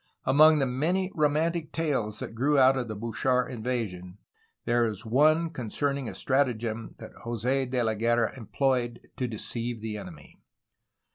Among the many romantic tales that grew out of the Bouchard invasion, there is one concerning a stratagem that Jos6 De la Guerra employed to deceive the enemy.